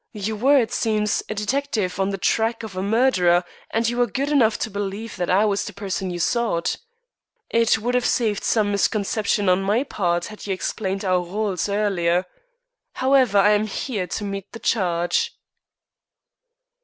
You were, it seems, a detective on the track of a murderer, and you were good enough to believe that I was the person you sought. It would have saved some misconception on my part had you explained our rôles earlier. However, I am here, to meet the charge."